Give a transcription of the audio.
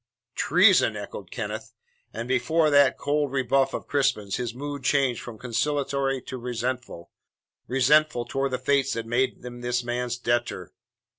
"Treason!" echoed Kenneth. And before that cold rebuff of Crispin's his mood changed from conciliatory to resentful resentful towards the fates that made him this man's debtor.